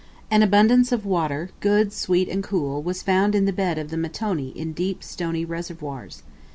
An abundance of water, good, sweet, and cool, was found in the bed of the mtoni in deep stony reservoirs.